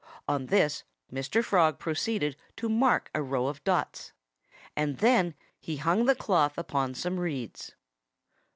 On this Mr. Frog proceeded to mark a row of dots. And then he hung the cloth upon some reeds.